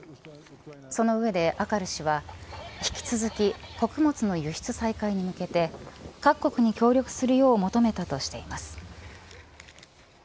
その上でアカル氏は引き続き穀物の輸出再開に向けて各国に協力するよう求めたとしています。